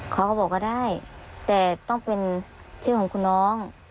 เขาก็บอกก็ได้แต่ต้องเป็นชื่อของคุณน้อง